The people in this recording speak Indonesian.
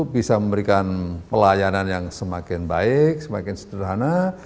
bisa memberikan pelayanan yang semakin baik semakin sederhana